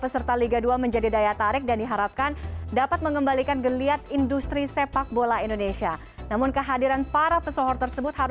selamat malam tiffany salam sehat selalu